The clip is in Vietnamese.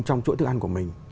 trong chuỗi thức ăn của mình